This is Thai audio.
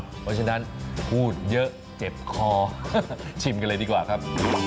เพราะฉะนั้นพูดเยอะเจ็บคอชิมกันเลยดีกว่าครับ